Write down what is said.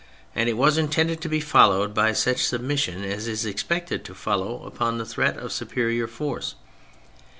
And it was intended to be followed by such submission as is expected to follow upon the threat of superior force.